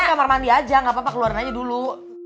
keluar aja gak apa apa keluarin aja dulu